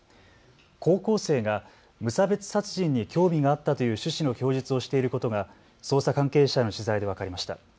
高校生が無差別殺人に興味があったという趣旨の供述をしていることが捜査関係者への取材で分かりました。